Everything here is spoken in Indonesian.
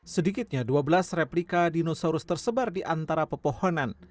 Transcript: sedikitnya dua belas replika dinosaurus tersebar di antara pepohonan